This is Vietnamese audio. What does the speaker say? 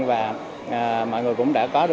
và mọi người cũng đã có được rất là nhiều